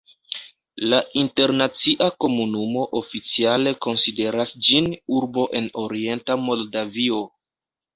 La internacia komunumo oficiale konsideras ĝin urbo en orienta Moldavio.